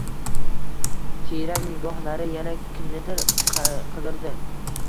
Tiyrak nigohlari yana kimnidir qidirdi.